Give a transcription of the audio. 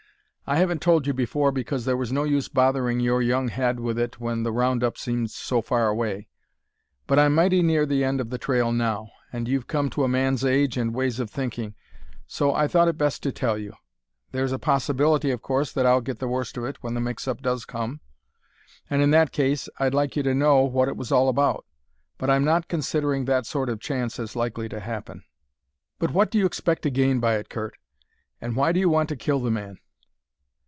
I haven't told you before because there was no use bothering your young head with it when the round up seemed so far away; but I'm mighty near the end of the trail now, and you've come to a man's age and ways of thinking; so I thought it best to tell you. There's a possibility, of course, that I'll get the worst of it when the mix up does come; and in that case I'd like you to know what it was all about. But I'm not considering that sort of chance as likely to happen." "But what do you expect to gain by it, Curt, and why do you want to kill the man?"